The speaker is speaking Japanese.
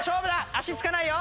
足つかないよ！